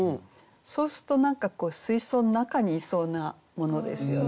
そうすると何か水槽の中にいそうなものですよね。